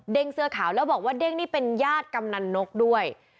เสื้อขาวแล้วบอกว่าเด้งนี่เป็นญาติกำนันนกด้วย